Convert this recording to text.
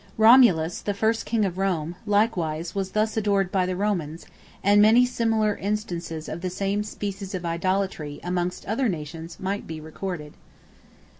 Romulus, the first king of Rome, likewise, was thus adored by the Romans; and many similar instances of the same species of idolatry amongst other nations might be recorded.